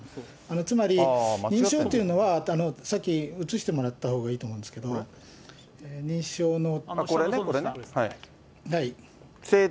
つまり認証というのは、さっき映してもらったほうがいいと思うんですけれども、認証の。